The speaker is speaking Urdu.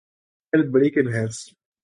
عقل بڑی کہ بھینس